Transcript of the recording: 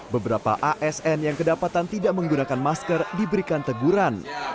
beberapa asn yang kedapatan tidak menggunakan masker diberikan teguran